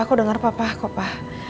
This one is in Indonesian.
aku dengar papa kok pak